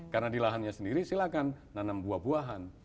karena di lahannya sendiri silahkan nanam buah buahan